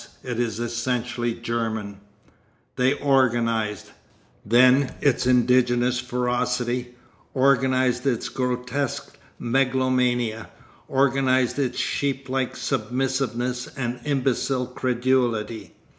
it is essentially German), they "organised," then, its indigenous ferocity; organised its grotesque megalomania; organised its sheep like submissiveness and imbecile credulity.